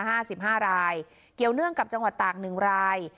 ห้าสิบห้ารายเกี่ยวเนื่องกับจังหวัดตากหนึ่งราย